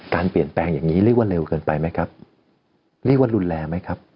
เปลี่ยนแปลงอย่างนี้เรียกว่าเร็วเกินไปไหมครับเรียกว่ารุนแรงไหมครับ